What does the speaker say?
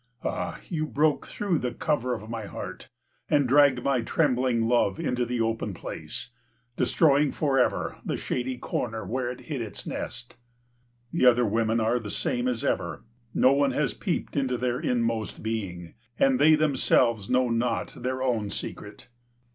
Ah, you broke through the cover of my heart and dragged my trembling love into the open place, destroying for ever the shady corner where it hid its nest. The other women are the same as ever. No one has peeped into their inmost being, and they themselves know not their own secret.